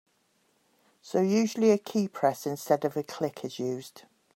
So usually a keypress instead of a click is used.